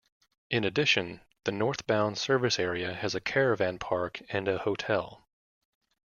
In addition, the northbound service area has a caravan park and a hotel.